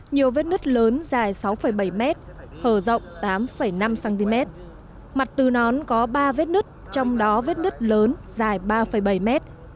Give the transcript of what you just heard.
nhiều vết nứt lớn dài sáu bảy m hở rộng tám năm cm mặt từ nón có ba vết nứt trong đó vết nứt lớn dài ba bảy mét